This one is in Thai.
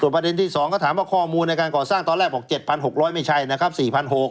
ส่วนประเด็นที่สองก็ถามว่าข้อมูลในการก่อสร้างตอนแรกบอกเจ็ดพันหกร้อยไม่ใช่นะครับสี่พันหก